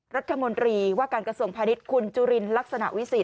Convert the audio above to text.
รัฐมนตรีว่าการกระทรวงพาณิชย์คุณจุลินลักษณะวิสิท